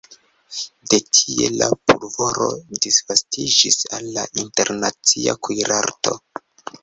De tie la pulvoro disvastiĝis al la internacia kuirarto.